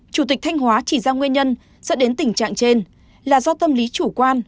chủ tịch thanh hóa chỉ ra nguyên nhân dẫn đến tình trạng trên là do tâm lý chủ quan